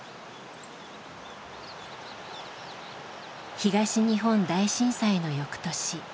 東日本大震災の翌年。